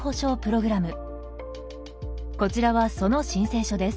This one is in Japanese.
こちらはその申請書です。